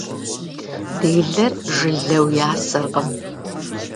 Делэр жылэу ясэркъым.